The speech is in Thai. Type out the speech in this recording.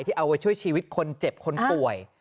เอาไว้ช่วยชีวิตคนเจ็บคนป่วย